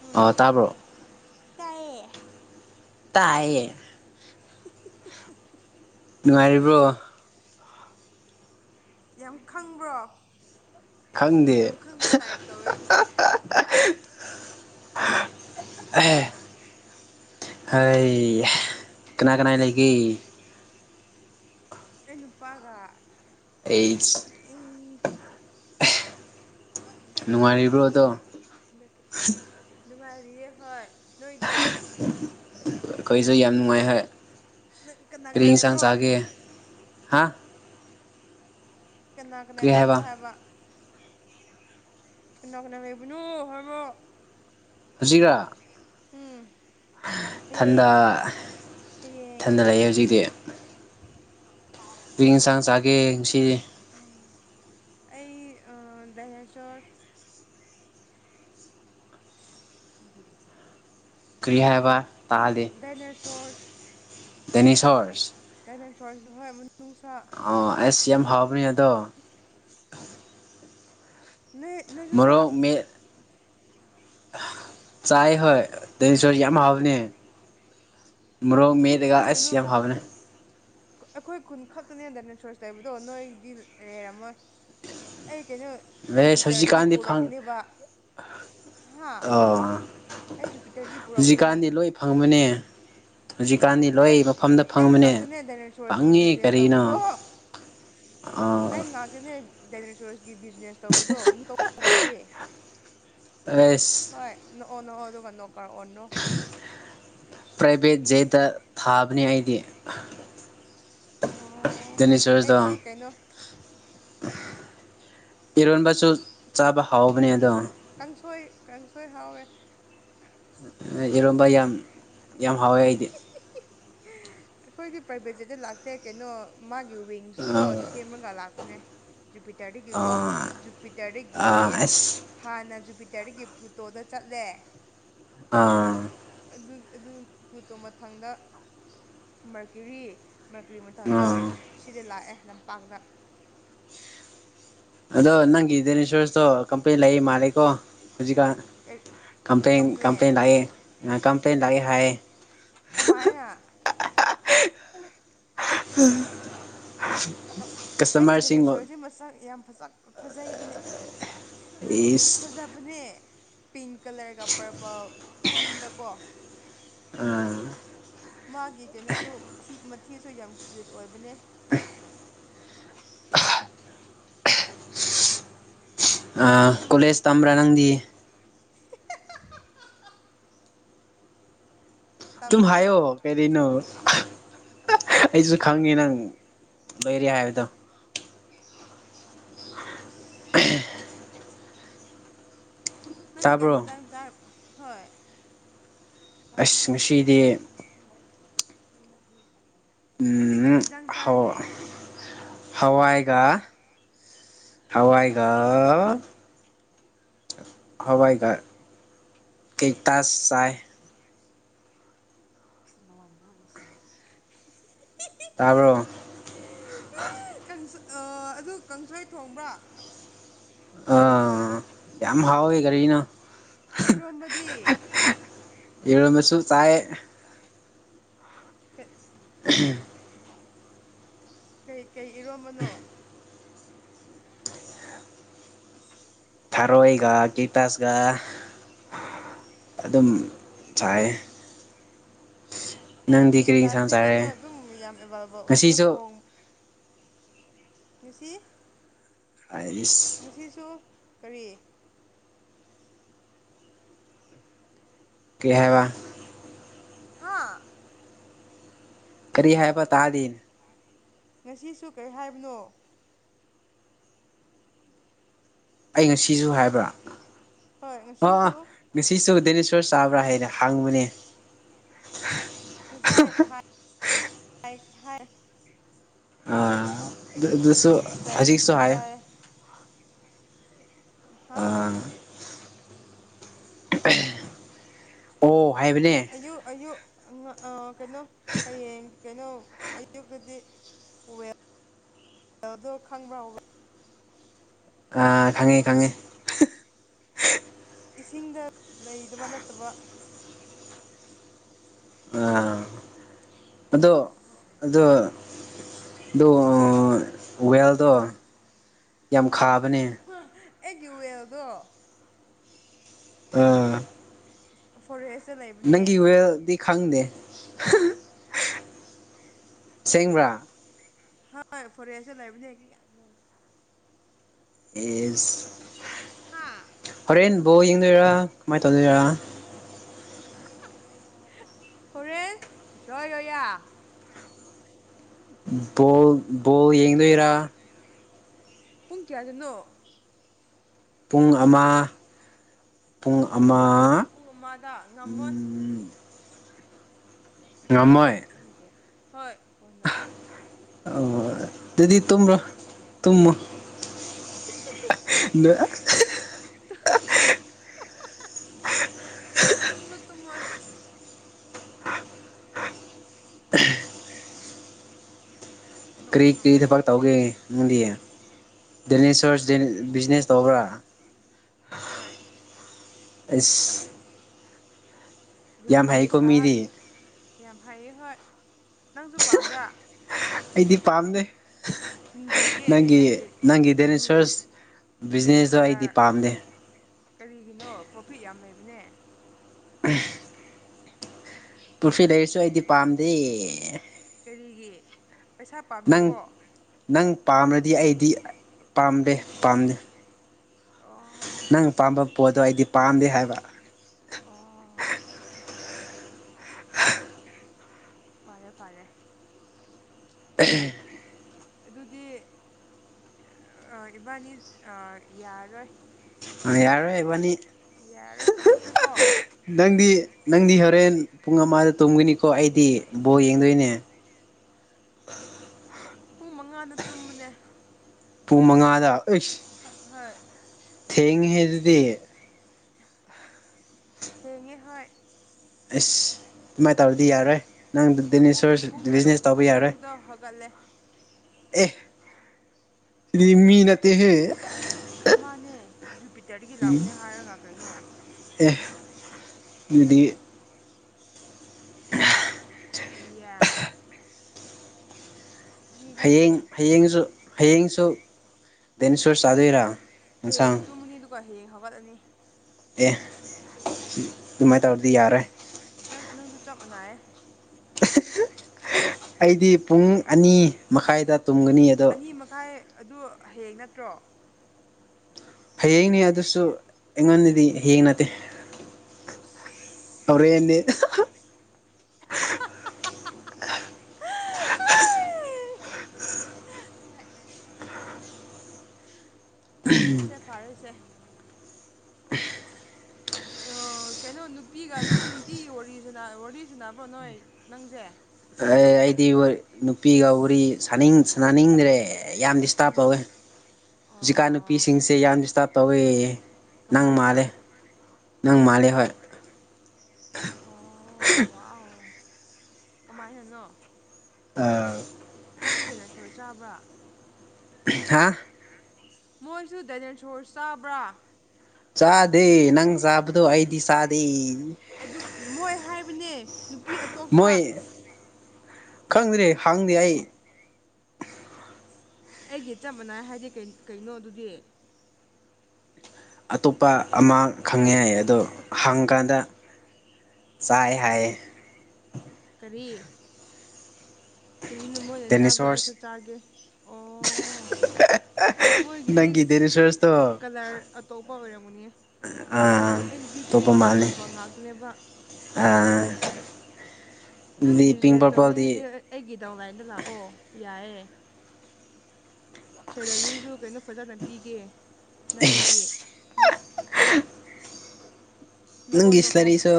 ꯎꯝ ꯑꫭ ꯇꯥꯔꯕ꯭ꯔꯣ ꯇꯥꯏꯌꯦ ꯇꯥꯏꯌꯦ ꯅꯨꯡꯉꯥꯏꯔꯤꯕ꯭ꯔꯣ ꯌꯥꯝ ꯈꯪꯕ꯭ꯔꯣ ꯈꯪꯗꯦ ꯌꯥꯝ ꯈꯪꯕ ꯇꯥꯏꯞ ꯇꯧꯋꯦ ꯑꯩꯗꯤ [unintelligible] ꯍꯩ ꯀꯅꯥ ꯀꯅꯥ ꯂꯩ ꯀ° ꯑꯩ ꯅꯨꯄꯥꯒ ꯑꯩ [unintelligible] ꯅꯨꯡꯉꯥꯏꯔꯤꯕ꯭ꯔꯣ ꯑꯗꯣ [unintelligible] ꯅꯨꯡꯉꯥꯏꯔꯤꯌꯦ ꯍꯣꯏ ꯅꯣꯏꯗꯤ ꯑꯩꯈꯣꯏꯁꯨ ꯌꯥꯝ ꯅꯨꯡꯉꯥꯏ ꯍꫭꯏ ꯅꯪ ꯀꯅꯥ ꯀꯔꯤ ꯀꯅꯥ ꯑ°ꯟꯁꯥꯡ ꯂꯩꯕ꯭ꯔꯣ ꯆꯥꯒꯦ ꯍꯥꯥ ꯀꯅꯥ ꯀꯅꯥ ꯂꯩꯕ꯭ꯔꯣ ꯍꯥꯏꯕ ꯀꯅꯥ ꯀꯅꯥ ꯂꯩꯕꯅꯣ ꯍꯥꯏꯕ ꯍꯧꯖꯤꯛꯔꯥ ꯎꯝ ꯊꯟꯗ ꯍꯌꯦꯡ ꯍꯌꯦꯡ ꯊꯟꯗ ꯂꯩꯌꯦ ꯍꯧꯖꯤꯛꯇꯤ [unintelligible] ꯀꯔꯤ ꯑꯦꯟꯁꯥꯡ ꯆꯥꯒꯦ ꯉꯁꯤꯗꯤ꯫ [unintelligible] ꯑꯩ ꯑ ꯗꯥꯏꯅꯣꯁꯣꯔꯁ꯫ ꯀꯔꯤ ꯍꯥꯏꯕ [unintelligible] ꯗꯥꯏꯅꯣꯁꯣꯔꯁ꯫ ꯗꯥꯏꯅꯦꯁꯣꯔ [unintelligible] ꯗꯥꯏꯅꯣꯁꯣꯔꯁ ꯍꯣꯏ ꯃꯅꯨꯡꯁꯥ꯫ ꯑꯣ ꯑꯩꯁ ꯌꯥꯝ ꯍꯥꯎꯕꯅꯦ ꯑꯗꯣ꯫ ꯅꯣꯏ ꯅꯣꯏꯁꯨ ꯆꯥꯕ꯭ꯔꯥ ꯃꯣꯔꯣꯛ ꯃꯦꯠ ꯆꯥꯏ ꯍꯣꯏ꯫ ꯗꯥꯏꯅꯣꯁꯣꯔꯁ ꯌꯥꯝ ꯍꯥꯎꯕꯅꯦ ꯃꯣꯔꯣꯛ ꯅꯆꯤꯟ ꯃꯦꯠꯂꯒ ꯊꯤꯒꯅꯨ ꯑꯁ ꯌꯥꯝ ꯍꯕꯅꯦ꯫ ꯑꯩꯈꯣꯏ ꯈꯨꯟ ꯈꯛꯇꯅꯦ ꯗꯥꯏꯅꯣꯁꯣꯔꯁ ꯂꯩꯕꯗꯣ ꯅꯣꯏꯗꯤ ꯂꯩꯔꯝꯃꯣꯏ꯫ ꯑꯩ ꯀꯩꯅꯣ ꯚꯦꯁ ꯖꯨꯄꯤꯇꯔꯗꯒꯤ ꯍꯧꯖꯤꯛꯀꯥꯟꯗꯤ ꯐꯪ ꯄꯨꯔꯛꯄꯅꯦꯕ ꯍꯥ꯫ ꯑꯥ ꯑꯩ ꯖꯨꯄꯤꯇꯔꯒꯤ ꯄꯨꯔꯛꯄꯅꯦ ꯍꯧꯖꯤꯛꯀꯥꯟꯗꯤ ꯂꯣꯏ ꯐꯪꯕꯅꯦ [unintelligible] ꯍꯧꯖꯤꯛꯀꯥꯟꯗꯤ ꯐꯪꯗꯦ ꯂꯣꯏ ꯃꯐꯝꯗ [unintelligible] ꯑꯩ ꯐꯪꯕꯅꯦ ꯉꯥꯛꯇꯅꯦ ꯗꯥꯏꯅꯣꯁꯣꯔꯁꯀꯤ ꯕꯤꯖꯤꯅꯦꯁ ꯇꯧꯕꯗꯣ꯫ ꯑꯥ꯫ ꯇꯅꯦ ꯗꯥꯏꯅꯣꯁꯣꯔꯁꯀꯤ ꯕꯤꯖꯤꯅꯦꯁ ꯇꯧꯕꯗꯣ [unintelligible] ꯂꯩꯇꯦ꯫ ꯑꯩꯁ꯫ ꯍꯣꯏ ꯅꯣꯛꯑꯣ ꯅꯣꯛꯑꯣ ꯑꯗꯨꯒ ꯅꯣ ꯀꯥꯔꯑꯣꯅꯣ꯫ ꯄ꯭ꯔꯥꯏꯚꯦꯠ ꯖꯦꯠꯇ ꯊꯥꯕꯅꯤ ꯑꯩꯗꯤ꯫ ꯑꯣ ꯗꯥꯏꯅꯣꯁꯣꯔꯁꯗꯣ ꯑꯩꯗꯤ ꯀꯩꯅꯣ ꯏꯔꯣꯟꯕꯁꯨ ꯆꯥꯕ ꯍꯥꯎꯕꯅꯦ ꯑꯗꯣ꯫ ꯀꯥꯡꯁꯣꯏ ꯀꯥꯡꯁꯣꯏ ꯍꯥꯎꯋꯦ꯫ ꯏꯔꯣꯝꯕ ꯌꯥꯝ ꯌꯥꯝ ꯍꯥꯎꯋꯦ ꯑꯩꯗꯤ꯫ ꯑꯩꯈꯣꯏꯒꯤ ꯄ꯭ꯔꯥꯏꯚꯦꯠꯁꯦꯠꯇ ꯂꯥꯛꯇꯦ ꯀꯩꯅꯣ ꯃꯥꯒꯤ ꯋꯤꯡꯁꯇꯣ ꯁꯦꯝꯔꯒ ꯂꯥꯛꯄꯅꯦ꯫ ꯖꯨꯄꯤꯇꯔꯗꯒꯤꯀꯣ ꯖꯨꯄꯤꯇꯔꯗꯒꯤ ꯑꯁ ꯍꯥꯟꯅ ꯖꯨꯄꯤꯇꯔꯗꯒꯤ ꯄꯂꯨꯇꯣꯗ ꯆꯠꯂꯦ ꯑꯥ ꯑꯗꯨ ꯑꯗꯨ ꯄꯨꯇꯣ ꯃꯊꯪꯗ ꯃꯥꯔꯀꯔꯤ ꯃꯥꯔꯀꯔꯤ ꯃꯊꯪꯗ ꯑꯥ ꯁꯤꯗ ꯂꯥꯛꯑꯦ ꯂꯝꯄꯥꯛꯇ꯫ ꯑꯗꯣ ꯅꯪꯒꯤ ꯗꯥꯏꯅꯣꯁꯣꯔꯁꯇꯣ ꯀꯝꯄ꯭ꯂꯦꯟ ꯂꯩ ꯃꯥꯜꯂꯦꯀꯣ ꯍꯨꯖꯤꯛꯀꯥꯟ꯫ ꯀꯄ꯭ꯂꯦꯟ ꯀꯝꯄ꯭ꯂꯦꯟ ꯂꯥꯛꯑꯦ ꯀꯝꯄ꯭ꯂꯦꯟ ꯂꯥꯛꯑꯦ ꯍꯥꯏꯌꯦ꯫ ꯀꯃꯥꯏꯅ꯫ [unintelligible] ꯀꯞ [unintelligible] ꯑꯩꯒꯤ ꯀꯁꯇꯃꯔꯁꯤꯡ ꯗꯥꯏꯅꯣꯁꯣꯔꯁꯁꯦ ꯃꯁꯛ ꯌꯥꯝ ꯐꯖꯩꯕꯅꯦ꯫ ꯐꯖ ꯏꯁ ꯐꯖꯞ ꯕꯅꯦ ꯄꯤꯡ ꯀꯂꯔꯒ ꯄꯔꯄꯜ ꯄꯨꯟꯕꯀꯣ꯫ ꯑꯥ ꯃꯥꯒꯤ ꯀꯩꯅꯣꯁꯨ ꯃꯊꯤ ꯃꯊꯤꯁꯨ ꯌꯥꯝ ꯀꯌꯨꯠ ꯑꯣꯏꯕꯅꯦ꯫ ꯑ ꯅꯪꯒꯤ ꯀꯣꯂꯦꯖ ꯇꯝꯕ꯭ꯔꯥ ꯅꯪꯗꯤ꯫ [unintelligible] ꯇꯨꯝ ꯇꯝꯗꯦ ꯍꯥꯏꯌꯣ꯫ ꯀꯔꯤꯅꯣ ꯑꯩꯖꯨ ꯈꯪꯉꯦ ꯅꯪ ꯂꯩꯔꯤ ꯍꯥꯏꯕꯗꯣ꯫ ꯇꯨꯁ [unintelligible] ꯅꯪꯒ ꯇꯥꯕ꯭ꯔꯣ ꯍꯦꯟꯖꯥꯡ ꯆꯥꯔꯕ ꯍꯣꯏ [unintelligible] [unintelligible] ꯑꯁ ꯉꯁꯤꯗꯤ ꯅꯪꯗꯤ ꯀꯩ ꯎꯝ ꯍꯤꯟꯖꯥꯡ ꯍꯧ ꯆꯥꯔꯒꯦ ꯍꯧꯋꯥꯏꯒ ꯍꯋꯥꯏꯒ ꯍꯋꯥꯏꯒ ꯀꯩ ꯇꯁ ꯆꯥꯏ [unintelligible] [unintelligible] ꯇꯥꯕ꯭ꯔꯣ ꯑꯗꯨ ꯀꯥꯡꯁꯣꯏ ꯊꯣꯡꯕ꯭ꯔꯥ ꯑꯥ ꯌꯥꯝ ꯍꯥꯎꯋꯦ ꯀꯔꯤꯅꯣ ꯏꯔꯣꯝꯕꯗꯤ ꯏꯔꯣꯃꯕꯁꯨ ꯆꯥꯏ [unintelligible] [inaudible] ꯀꯩ ꯀꯩ ꯏꯔꯣꯝꯕꯅꯣ ꯊꯦꯔꯣꯏꯒ ꯀꯦꯛꯇꯁꯒ ꯑꯗꯨꯝ ꯆꯥꯏꯌꯦ ꯍꯣꯏ ꯀꯔꯤ ꯏꯟꯁꯥꯡ ꯀꯦꯇꯁ ꯀꯩꯅꯣ ꯆꯥꯔꯦ ꯑꯗꯨꯝ ꯌꯥꯝ ꯑꯦꯕꯥꯏꯂꯦꯕꯜ ꯑꯣꯏꯕꯅꯤ ꯉꯁꯤꯁꯨ ꯍꯣꯡ ꯉꯁꯤ ꯑꯩꯁ ꯉꯁꯤꯁꯨ ꯀꯔꯤ ꯀꯔꯤ ꯍꯥꯏꯕ ꯍꯥ ꯀꯔꯤ ꯍꯥꯏꯕ ꯇꯥꯗꯦꯅꯦ ꯉꯁꯤꯁꯨ ꯀꯔꯩ ꯍꯥꯏꯕꯅꯣ ꯑꯩ ꯉꯁꯤꯁꯨ ꯍꯥꯏꯕ꯭ꯔꯥ ꯍꯣꯏ ꯑꯣ ꯉꯁꯤꯁꯨ ꯉꯁꯤꯁꯨ ꯗꯦꯅꯦꯁꯣꯔ ꯆꯥꯕ꯭ꯔꯥ ꯍꯥꯏꯅ ꯍꯡꯕꯅꯦ ꯉꯁꯥꯏ [unintelligible] ꯍꯥꯏ ꯑꯤ ꯑꯗꯨ ꯑꯗꯨꯁꯨ ꯍꯧꯖꯤꯛꯁꯨ ꯍꯥꯏ [unintelligible] ꯍꯥ ꯑꯥ ꯑꯣ ꯍꯥꯏꯕꯅꯦ ꯑꯌꯨꯛ ꯑꯌꯨꯛ ꯑ ꯀꯩꯅꯣ ꯍꯌꯦꯡ ꯀꯩꯅꯣ ꯑꯌꯨꯛꯇꯗꯤ [inaudible] ꯑꯗꯣ ꯈꯪꯕ꯭ꯔꯥꯎ ꯑꯥ ꯈꯪꯉꯦ ꯈꯪꯉꯦ ꯏꯁꯤꯡꯗ ꯂꯩꯗꯕ ꯅꯠꯇꯕ ꯑꯥ ꯑꯗꯣ ꯑꯗꯣ ꯑꯗꯣ ꯋꯦꯜꯗꯣ ꯌꯥꯝ ꯈꯥꯕꯅꯦ ꯑꯩꯒꯤ ꯋꯦꯜꯗꯣ ꯑꯥ ꯐꯣꯔꯦꯁꯇ ꯂꯩ ꯅꯪꯒꯤ ꯋꯦꯜꯗꯤ ꯈꯪꯗꯦ ꯁꯦꯡꯕ꯭ꯔꯥ ꯍꯣꯏ ꯐꯣꯔꯦꯁꯇ ꯂꯩꯕꯅꯤ ꯌꯦꯁ ꯍꯥ ꯍꯣꯔꯦꯟ ꯕꯣꯜ ꯌꯦꯡꯗꯣꯏꯔꯥ ꯀꯃꯥꯏꯅ ꯇꯧꯗꯣꯏꯔꯥ ꯍꯣꯔꯦ ꯖꯣꯌ ꯌꯥ ꯑꯌꯥ ꯕꯣꯜ ꯕꯣꯜ ꯌꯦꯡꯗꯣꯏ ꯔꯥ ꯄꯨꯡ ꯀꯌꯥꯗꯅꯣ ꯄꯨꯡ ꯑꯃ ꯄꯨꯡ ꯑꯃ ꯄꯨꯡ ꯑꯃꯗ ꯉꯝꯃꯣꯏ ꯑꯝ ꯑꯗꯨꯁꯨ ꯆꯥꯅꯗꯤ ꯐꯪꯗꯦ ꯍꯣꯏ ꯈꯣꯏꯅ ꯑꯣ ꯑꯗꯨꯗꯤ ꯇꯨꯝꯔꯣ ꯇꯨꯝꯃꯣ ꯅ ꯑꯥ ꯍꯥ ꯍꯥ ꯍꯥ ꯇꯨꯝꯁꯨ ꯇꯨꯝꯃꯣꯏ ꯀꯔꯤ ꯅꯣꯛꯑꯣ ꯀꯔꯤ ꯅꯣꯛꯑꯣ ꯊꯕꯛ ꯇꯧꯒꯦ ꯅꯪꯗꯤ ꯇꯦꯅꯤꯁ ꯊꯔꯁꯖꯤꯟ ꯕꯤꯖꯤꯅꯦꯁ ꯇꯧꯕ꯭ꯔꯥ ꯍꯣꯏ ꯑꯩꯁ ꯔꯨꯇꯤ ꯍꯩꯀꯣ ꯁꯥꯍꯟ ꯃꯤꯗꯤ ꯌꯥꯝ ꯍꯥꯏꯌꯦ ꯍꯣꯏ ꯅꯪꯁꯨ ꯄꯥꯝꯕ꯭ꯔꯥ ꯑꯩꯗꯤ ꯄꯥꯝꯗꯦ ꯊꯤꯛ ꯊꯤꯟꯗꯤꯒꯤ ꯅꯪꯒꯤ ꯅꯪꯒꯤ ꯕ꯭ꯂꯨ ꯗꯦꯅꯦꯁꯔꯁ ꯕ꯭ꯂꯨ ꯕꯤꯖꯤꯅꯦꯁꯇꯣ ꯑꯩꯗꯤ ꯀꯂꯔ ꯑꯥ ꯗꯤ ꯄꯥꯝꯗꯦ ꯀꯔꯤꯒꯤꯅꯣ ꯄ꯭ꯔꯣꯐꯤꯠ ꯌꯥꯝ ꯂꯩꯕꯅꯦ ꯄꯨꯟꯐꯤꯠ ꯂꯩꯔꯤꯁꯨ ꯑꯩꯗꯤ ꯄꯥꯝꯗꯦ ꯀꯔꯤꯒꯤ ꯄꯩꯁꯥ ꯅꯪ ꯄꯥꯝꯗꯕꯣ ꯅꯪ ꯄꯥꯝꯔꯥꯗꯤ ꯑꯩꯗꯤ ꯄꯥꯝꯗꯦ ꯄꯥꯝꯅꯦ ꯑꯣ ꯅꯪ ꯄꯥꯝꯕ ꯄꯣꯠꯇꯣ ꯑꯩꯗꯤ ꯄꯥꯝꯗꯦ ꯍꯥꯏꯕ ꯑꯣ ꯑꯣ ꯄꯔꯦ ꯐꯥꯔꯦ ꯑꯦ ꯍꯦ ꯍꯦ ꯑꯗꯨꯗꯤ ꯑꯥ ꯏꯕꯥꯅꯤ ꯑꯥ ꯌꯥꯔꯔꯣꯏ ꯑꯥꯔꯔꯣꯏ ꯏꯕꯅꯤ ꯌꯥꯔꯔꯣꯏ ꯍꯥ ꯍꯥ ꯍꯥ ꯇꯧꯔꯁꯦꯀꯣ ꯅꯪꯗꯤ ꯅꯪꯗꯤ ꯍꯣꯔꯦꯟ ꯄꯨꯡ ꯑꯃꯗ ꯇꯨꯝꯒꯅꯤꯀꯣ ꯑꯩꯗꯤ ꯕꯣꯜ ꯌꯦꯡꯗꯣꯏꯅꯦ ꯄꯨꯡ ꯃꯉꯥꯅ ꯇꯨꯝꯕꯅꯦ ꯄꯨꯡ ꯃꯉꯥꯗ ꯑꯩꯁ ꯍ ꯍꯥꯏ ꯊꯦꯡꯉꯦ ꯍꯦ ꯗꯨꯗꯤ ꯍꯦꯡꯉꯦ ꯍꯣꯏ ꯑꯁ ꯑꯗꯨꯃꯥꯏꯅ ꯇꯧꯔꯗꯤ ꯌꯥꯔꯣꯏ ꯅꯪ ꯄꯨꯡ ꯗꯤꯅꯦꯁꯣꯔ ꯄꯨꯡ ꯇꯔꯨꯛ ꯕꯤꯖꯤꯅꯦꯁ ꯇꯧꯕ ꯄꯨꯡ ꯌꯥꯔꯣꯏ ꯇꯔꯨꯛꯇ ꯍꯧꯒꯠꯂꯦ ꯑꯦ ꯗꯨꯗꯤꯃꯤꯅꯠꯇꯦ ꯍꯦ ꯃꯥꯅꯦ ꯖꯨꯄꯤꯇꯔꯗꯒꯤ ꯂꯥꯛꯄꯅꯦ ꯍꯥꯏꯔꯒ ꯀꯩꯅꯣ ꯑꯦ ꯑꯗꯨꯗꯤ [inaudible] ꯏꯟꯗꯤꯌꯟ ꯃꯤ ꯅꯠꯇꯦ ꯍꯌꯦꯡ ꯍꯌꯦꯡꯁꯨ ꯍꯌꯦꯡꯁꯨ ꯗꯦꯅꯦꯁꯣꯔ ꯁꯥꯗꯣꯏꯔꯥ ꯍꯌꯦꯡ ꯇꯨꯝꯃꯅꯤ ꯑꯗꯨꯒ ꯍꯌꯦꯡ ꯍꯧꯒꯠꯂꯅꯤ ꯑꯦ ꯗꯨꯃꯥꯏ ꯇꯧꯔꯗꯤ ꯌꯥꯔꯣꯏ ꯅꯪ ꯅꯪꯁꯨ ꯆꯞ ꯃꯥꯟꯅꯌꯦ ꯑꯦ ꯍꯦ ꯍꯦ ꯑꯩꯗꯤ ꯄꯨꯡ ꯑꯅꯤ ꯃꯈꯥꯏꯗ ꯇꯨꯝꯒꯅꯤ ꯑꯗꯣ ꯑꯅꯤ ꯃꯈꯥꯏ ꯑꯗꯨ ꯍꯌꯦꯡ ꯅꯠꯇ꯭ꯔꯣ ꯍꯌꯦꯡꯅꯤ ꯑꯗꯨꯁꯨ ꯑꯩꯉꯣꯟꯗꯗꯤ ꯍꯌꯦꯡ ꯅꯠꯇꯦ ꯇꯣꯁ ꯑꯣꯔꯦꯟꯗꯤ ꯑꯥ ꯍꯥ ꯍꯥ ꯄꯥꯔꯦꯁꯦ ꯐꯥꯔꯦꯁꯦ [unintelligible] ꯑꯣ ꯀꯩꯅꯣ ꯅꯨꯄꯤꯒ ꯑꯗꯨꯝ ꯅꯨꯡꯇꯤꯒꯤ ꯋꯥꯔꯤꯁꯅ ꯋꯥꯔꯤ ꯁꯟꯅꯕ꯭ꯔꯣ ꯅꯣꯏ ꯅꯪꯁꯦ ꯑꯦ ꯑꯩꯗꯤ ꯋ꯭ꯔ ꯅꯨꯄꯤꯒ ꯋꯥꯔꯤꯁꯥꯅꯤꯡ ꯁꯥꯟꯅꯅꯤꯡꯗ꯭ꯔꯦ ꯌꯥꯝ ꯗꯤꯁꯇꯥꯔꯕ ꯅꯪ ꯇꯧꯋꯦ ꯖꯤꯛꯀꯥꯟ ꯑꯣ ꯅꯨꯄꯤꯁꯤꯡꯁꯦ ꯌꯥꯝ ꯗꯤꯁꯇꯥꯔꯕ ꯇꯧꯋꯦ ꯅꯪ ꯀꯃꯥꯏꯅ ꯃꯥꯜꯂꯦ ꯅꯪ ꯃꯥꯜꯂꯦ ꯍꯣꯏ ꯑꯣ ꯋꯥꯎ ꯀꯃꯥꯏꯅꯅꯣ ꯑꯥ ꯃꯣꯏꯁꯨ ꯗꯦꯅꯔ ꯁꯣꯏ ꯆꯥꯕ꯭ꯔ ꯍꯥꯥ ꯃꯣꯏꯁꯨ ꯗꯅꯦꯁꯣꯔ ꯆꯥꯕ꯭ꯔꯥ ꯆꯥꯗꯦ ꯅꯪ ꯆꯥꯕꯗꯣ ꯑꯩꯗꯤ ꯆꯥꯗꯦ ꯑꯗꯨ ꯃꯣꯏ ꯍꯥꯏꯕꯅꯦ ꯅꯨꯄꯤ ꯑꯇꯣꯞꯄ ꯃꯣꯏ ꯈꯪꯗ꯭ꯔꯦ ꯍꯥꯡꯗꯦ ꯑꯩ ꯑꯩꯒꯤ ꯆꯞ ꯃꯥꯟꯅꯥꯏ ꯍꯥꯏꯗꯤ ꯀꯩ ꯀꯩꯅꯣ ꯑꯗꯨꯗꯤ ꯑꯇꯣꯞꯄ ꯑꯃꯥ ꯈꯪꯉꯦꯌꯦ ꯑꯗꯣ ꯍꯪꯀꯥꯟꯗ ꯆꯥꯏ ꯍꯥꯏ ꯌꯦ ꯀꯔꯤ ꯀꯔꯤꯅꯣ ꯃꯣꯏꯅ ꯆꯥꯕꯗꯣ ꯗꯦꯅꯤꯁꯣꯔꯁ ꯑꯩꯁꯨ ꯆꯥꯒꯦ ꯑꯣ ꯃꯣꯏꯒꯤꯗꯤ ꯅꯪꯒꯤ ꯗꯦꯅꯤꯁꯣꯔꯁꯇꯣ ꯀꯂꯔ ꯑꯇꯣꯞꯄ ꯑꯣꯏꯔꯝꯒꯅꯤ ꯑꯥ ꯑꯩꯒꯤꯗꯤ ꯄꯤꯡꯒ ꯄꯔꯄꯜ ꯉꯥꯛꯇꯅꯦꯕ ꯑ ꯅꯪ ꯕꯤꯖꯤꯅꯦꯁ ꯄꯔꯄꯜꯗꯤ ꯇꯧꯅꯤꯡꯉꯗꯤ ꯑꯩꯒꯤ ꯗꯥꯎꯟꯂꯥꯏꯟꯗ ꯂꯥꯛꯑꯣ ꯌꯥꯏꯌꯦ ꯁꯦꯂꯔꯤꯁꯨ ꯀꯩꯅꯣ ꯐꯖꯅ ꯄꯤꯒꯦ ꯑꯩꯁ ꯅꯪꯒꯤꯗꯤ ꯅꯪ [unintelligible] ꯅꯪꯒꯤ ꯁꯦꯂꯔꯤꯁꯨ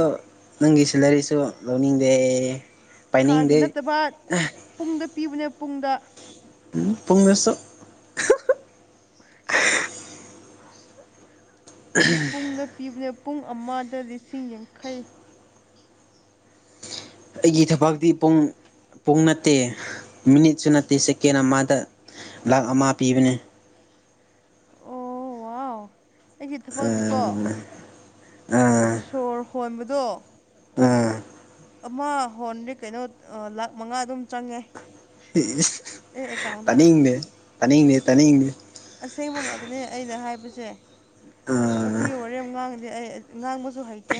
ꯅꯪꯒꯤ ꯁꯦꯂꯔꯤꯁꯨ ꯂꯧꯅꯤꯡꯗꯦ ꯊꯥꯒꯤ ꯄꯥꯏꯅꯤꯡꯗꯦ ꯅꯠꯇꯕ ꯊꯥ ꯄꯨꯡꯗ ꯄꯤꯕꯅꯦ ꯄꯨꯡꯗ ꯎꯝ ꯄꯨꯡ ꯑꯣꯏꯁꯨ ꯇꯁ ꯄꯨꯡꯅ ꯄꯤꯕꯅꯦ ꯄꯨꯡ ꯑꯃꯗ ꯂꯤꯁꯤꯡ ꯌꯥꯡꯈꯩ ꯑꯩꯒꯤ ꯊꯕꯛꯇꯤ ꯄꯨꯡ ꯄꯨꯡ ꯅꯠꯇꯦ ꯃꯤꯅꯤꯠꯁꯨ ꯅꯠꯇꯦ ꯁꯦꯀꯦꯟ ꯑꯃꯗ ꯂꯥꯛ ꯑꯃ ꯄꯤꯕꯅꯦ ꯑꯣ ꯋꯥꯎ ꯑꯩꯒꯤ ꯊꯕꯛꯗꯤꯀꯣ ꯑꯥ ꯁꯣꯔ ꯍꯣꯟꯕꯗꯣ ꯎꯝ ꯑꯃ ꯍꯣꯟꯗꯤ ꯀꯩꯅꯣ ꯂꯥꯛ ꯃꯉꯥ ꯑꯗꯨꯝ ꯆꯪꯉꯦ ꯏꯁ ꯑꯩ ꯑꯦꯀꯥꯎꯟꯗ ꯇꯅꯤꯡꯗꯦ ꯇꯅꯤꯡꯗꯦ ꯇꯅꯤꯡꯗꯦ ꯑꯁꯦꯡꯕ ꯉꯥꯛꯇꯅꯦ ꯑꯩꯅ ꯍꯥꯏꯕꯁꯦ ꯑꯥ ꯋꯥꯊꯤ ꯋꯥꯔꯦꯝ ꯉꯥꯡꯗꯦ ꯑꯩ ꯉꯥꯡꯕꯁꯨ ꯍꯩꯇꯦ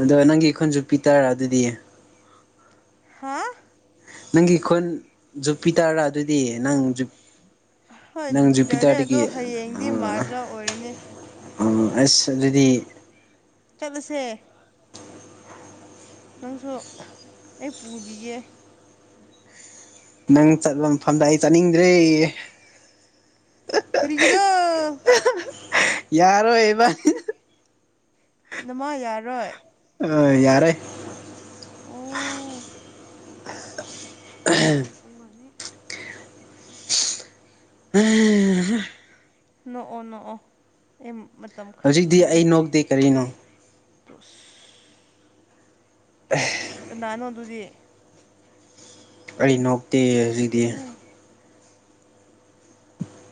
ꯑꯗꯣ ꯅꯪꯒꯤ ꯈꯨꯟ ꯖꯨꯄꯤꯇꯔ ꯑꯗꯨꯗꯤ ꯍꯥꯥ ꯅꯪꯒꯤ ꯈꯨꯟ ꯖꯨꯄꯤꯇꯔꯔꯥ ꯑꯗꯨꯗꯤ ꯅꯪ ꯖꯨ ꯍꯣꯏ ꯖꯨꯄꯤꯇꯔꯅꯦ ꯑꯗꯣ ꯍꯌꯦꯡꯗꯤ ꯃꯥꯔꯁꯗ ꯑꯣꯏꯔꯅꯤ ꯑꯣ ꯑꯁ ꯑꯗꯨꯗꯤ ꯆꯠꯂꯨꯁꯦ ꯅꯪꯁꯨ ꯑꯩ ꯄꯨꯕꯤꯒꯦ ꯅꯪ ꯆꯠꯂ ꯃꯐꯝꯗ ꯑꯩ ꯆꯠꯅꯤꯡꯗ꯭ꯔꯦ ꯀꯔꯤꯒꯤꯅꯣ ꯌꯥꯔꯣꯏꯕ ꯅꯃꯥ ꯌꯥꯔꯣꯏ ꯑꯥ ꯌꯥꯔꯦ ꯑꯣ ꯑꯩ ꯄꯨꯡ ꯑꯅꯤ [unintelligible] ꯅꯣꯛꯑꯣ ꯅꯣꯛꯑꯣ ꯑꯩ ꯃꯇꯝ ꯈꯔ ꯍꯧꯖꯤꯛꯇꯤ ꯄꯤꯒꯦ ꯑꯩ ꯅꯣꯛꯇꯦ ꯀꯔꯤꯅꯣ [unintelligible] ꯀꯅꯥꯅꯣ ꯑꯗꯨꯗꯤ ꯑꯩ ꯅꯣꯛꯇꯦ ꯍꯧꯖꯤꯛꯗꯤ ꯑꯃ ꯂꯩ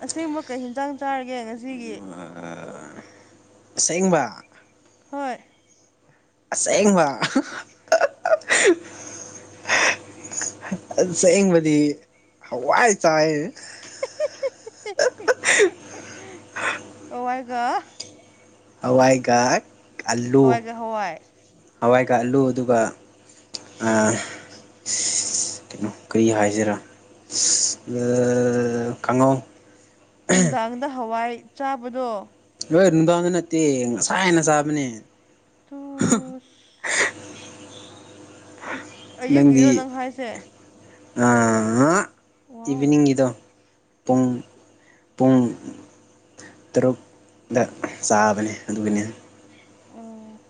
ꯑꯁꯦꯡꯕ ꯀꯩ ꯍꯤꯟꯖꯥꯡ ꯆꯥꯔꯒꯦ ꯉꯁꯤꯒꯤ ꯑꯁꯦꯡꯕ ꯍꯣꯏ ꯑꯁꯦꯡꯕ ꯑꯁꯦꯡꯕꯗꯤ ꯍꯋꯥꯏ ꯆꯥꯏ [unintelligible] ꯍꯋꯥꯏꯒ ꯍꯋꯥꯏꯒ ꯑꯂꯨ ꯍꯋꯥꯏꯒ ꯍꯋꯥꯏ ꯍꯋꯥꯏꯒ ꯑꯂꯨ ꯑꯗꯨꯒ ꯑꯥ ꯀꯩꯅꯣ ꯀꯔꯤ ꯍꯥꯏꯖꯤꯔ ꯀꯪꯉꯧ ꯅꯨꯡꯗꯥꯡꯗ ꯍꯋꯥꯏ ꯆꯥꯕꯗꯣ ꯍꯣꯏ ꯅꯨꯡꯗꯥꯡꯗ ꯅꯠꯇꯦ ꯉꯁꯥꯏꯅ ꯆꯥꯕꯅꯦ ꯇꯨꯏꯁ ꯑꯩꯌꯨꯛꯒꯤꯔꯣ ꯅꯪ ꯍꯥꯏꯁꯦ ꯑꯥ ꯋꯥꯎ ꯏꯚꯤꯅꯤꯡꯒꯤꯗꯣ ꯄꯨꯡ ꯄꯨꯡ ꯇꯔꯨꯛꯇ ꯆꯥꯕꯅꯦ ꯑꯗꯨꯒꯤꯅꯦ ꯑꯣ